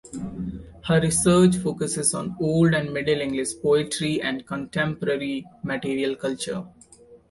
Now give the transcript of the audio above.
Her research focuses on Old and Middle English poetry and contemporary material culture.